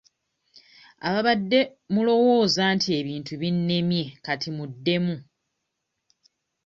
Ababadde mulowooza nti ebintu binnemye kati muddemu.